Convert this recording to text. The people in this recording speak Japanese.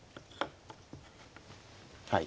はい。